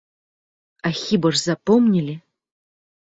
А хіба ж запомнілі?